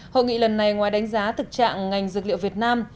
hội nghị lần này ngoài đánh giá thực trạng ngành dược liệu việt nam